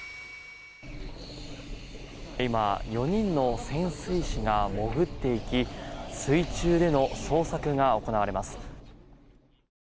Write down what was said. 今、４人の潜水士が潜っていき水中での捜索が行われます。